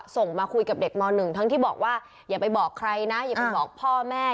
ส่งมาคุยกับเด็กม๑ทั้งที่บอกว่าอย่าไปบอกใครนะอย่าไปบอกพ่อแม่